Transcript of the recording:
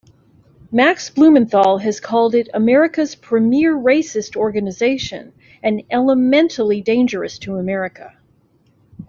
Max Blumenthal has called it America's premier racist organization and elementally dangerous to America.